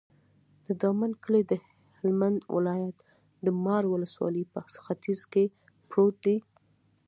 د دامن کلی د هلمند ولایت، د مار ولسوالي په ختیځ کې پروت دی.